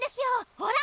ほら